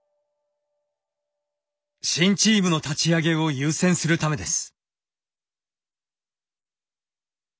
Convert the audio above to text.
新チームの立ち上げを優先するためです。